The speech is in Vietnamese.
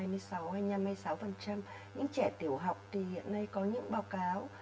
những trẻ tiểu học thì hiện nay có những báo cáo